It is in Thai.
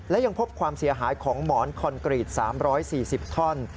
และยังพบความเสียหายของหมอนคอนกรีต๓๔๐ท่อน